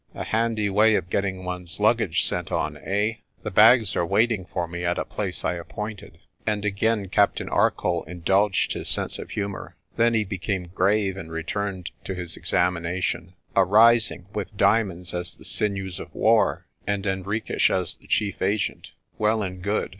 A handy way of getting one's luggage sent on, eh? The bags are waiting for me at a place I appointed." And ARCOLL TELLS A TALE 93 again Captain Arcoll indulged his sense of humour. Then he became grave, and returned to his examination. "A rising, with diamonds as the sinews of war, and Henriques as the chief agent. Well and good!